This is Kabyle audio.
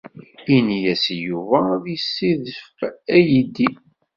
Ini-as i Yuba ad d-yessidef aydi.